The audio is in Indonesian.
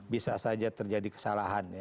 bisa saja terjadi kesalahan ya